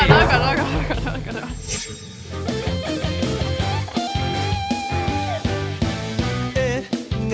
บ้าจริง